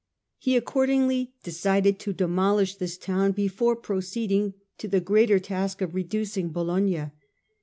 He accordingly decided to demolish this town before proceeding to the greater task of reducing Bologna.